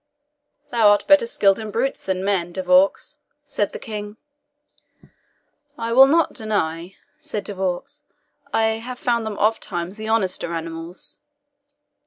"Thou art better skilled in brutes than men, De Vaux," said the King. "I will not deny," said De Vaux, "I have found them ofttimes the honester animals.